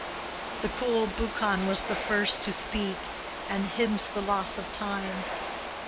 The cool Buchan was the first to speak, and hint the loss of time.